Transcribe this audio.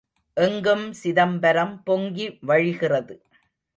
எங்கும் சிதம்பரம் பொங்கி வழிகிறது.